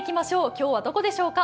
今日はどこでしょうか？